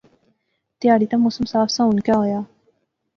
تیہاڑی تے موسم صاف سا ہُن کہہ ہویا